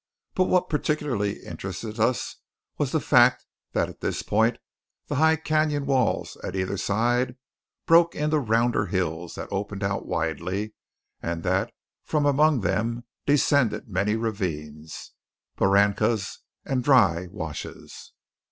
But what particularly interested us was the fact that at this point the high cañon walls at either side broke into rounder hills that opened out widely, and that from among them descended many ravines, barrancas, and dry washes.